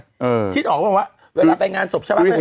พิชชีวิตมีเหตุผลสาเหตุเผื่อเป็นการสบชะบาก